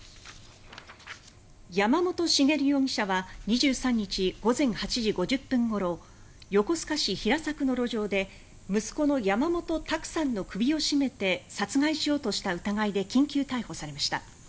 山本茂容疑者は２３日午前８時５０分ごろ横須賀市平作の路上で息子の山本卓さんの首を絞めて殺害しようとした疑いで緊急逮捕されました。